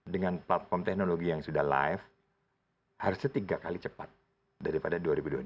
dua ribu dua puluh tiga dengan platform teknologi yang sudah live harusnya tiga kali cepat daripada dua ribu dua puluh dua